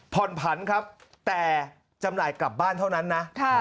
ผ่อนผันครับแต่จำหน่ายกลับบ้านเท่านั้นนะ